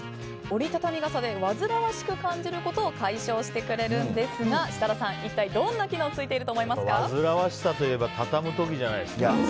折り畳み傘で煩わしく感じることを解消してくれるんですが設楽さん、一体どんな機能がわずらわしさといえばたたむ時じゃないですか？